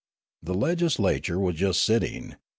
The legislature was just sitting.